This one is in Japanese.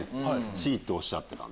Ｃとおっしゃってた。